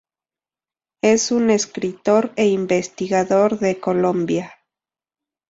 Es un escritor e investigador de Colombia.